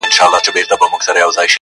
پر وطن باندي موږ تېر تر سر او تن یو!